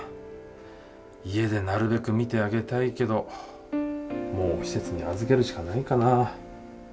家でなるべく見てあげたいけどもう施設に預けるしかないかな。